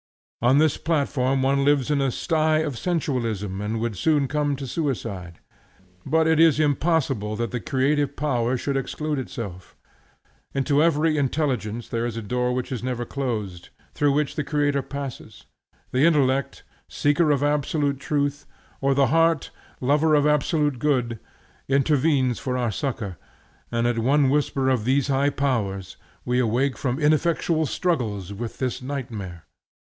On this platform one lives in a sty of sensualism, and would soon come to suicide. But it is impossible that the creative power should exclude itself. Into every intelligence there is a door which is never closed, through which the creator passes. The intellect, seeker of absolute truth, or the heart, lover of absolute good, intervenes for our succor, and at one whisper of these high powers we awake from ineffectual struggles with this nightmare.